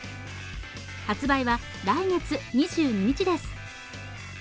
発売は来月２２日です。